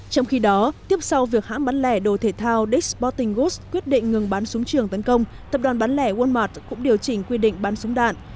trong khi đó tiếp sau việc hãng bán lẻ đồ thể thao dick s sporting ghost quyết định ngừng bán súng trường tấn công tập đoàn bán lẻ walmart cũng điều dùng để bán súng trường tấn công